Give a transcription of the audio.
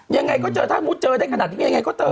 ยังไงก็เจอถ้ามุติเจอได้ขนาดนี้ยังไงก็เจอ